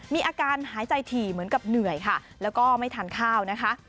มีอาการหายใจถี่เหมือนกับเหนื่อยค่ะแล้วก็ไม่ทานข้าวนะคะ